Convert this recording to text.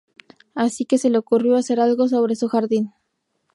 Así que se le ocurrió hacer algo sobre su jardín.